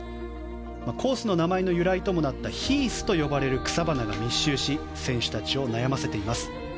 コースの名前の由来ともなったヒースと呼ばれる草花が密集し選手たちを悩ませています。